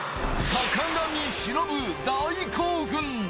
坂上忍、大興奮！